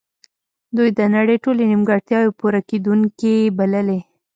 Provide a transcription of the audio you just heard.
دوی د نړۍ ټولې نیمګړتیاوې پوره کیدونکې بللې